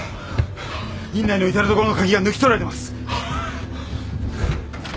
院内の至る所の鍵が抜き取られてます。